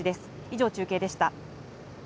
以上、中継でした。